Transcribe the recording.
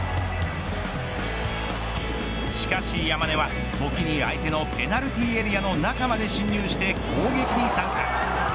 しかし山根は時に相手のペナルティーエリアの中まで侵入して攻撃に参加。